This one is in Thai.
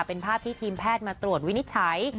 เป็นภาพที่ทีมแพทย์มาตรวจวินิจฉัย